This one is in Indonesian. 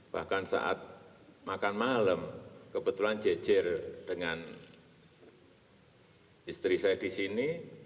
bahkan saat makan malam kebetulan jejer dengan istri saya di sini